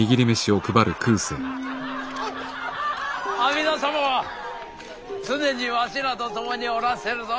阿弥陀様は常にわしらと共におらっせるぞ。